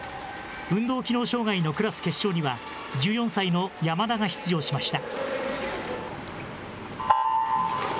運動機能障害のクラス決勝には、１４歳の山田が出場しました。